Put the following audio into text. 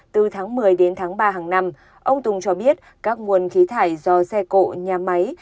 từ tháng một mươi đến tháng ba hàng năm ông tùng cho biết các nguồn khí thải do xe cộ nhà máy